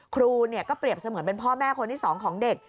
ครูก็เปรียบเสมือนเป็นพ่อแม่คนที่๒ของเด็ก